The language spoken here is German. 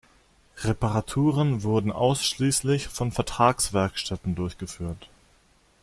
Reparaturen wurden ausschließlich von Vertragswerkstätten durchgeführt.